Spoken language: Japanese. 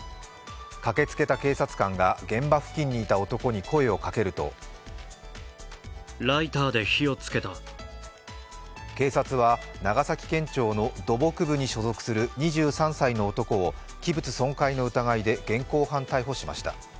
駆けつけた警察官が現場付近にいた男に声をかけると警察は長崎県庁の土木部に所属する２３歳の男を器物損壊の疑いで現行犯逮捕しました。